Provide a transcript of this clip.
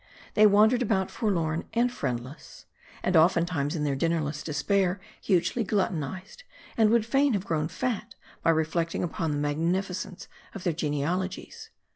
They wandered about forlorn and friendless. And oftentimes in their dinnerless despair hugely gluttonized, and would fain have grown fat, by reflecting upon the magnificence of their genealogies.